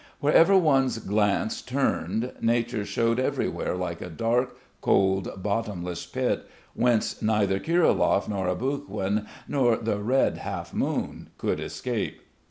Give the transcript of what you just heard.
Wherever one's glance turned nature showed everywhere like a dark, cold, bottomless pit, whence neither Kirilov nor Aboguin nor the red half moon could escape....